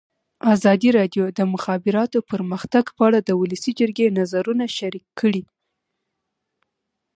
ازادي راډیو د د مخابراتو پرمختګ په اړه د ولسي جرګې نظرونه شریک کړي.